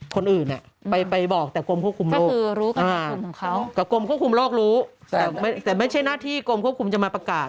กับกรมควบคุมรอกรู้แต่ไม่ใช่หน้าที่กรมควบคุมจะมาประกาศ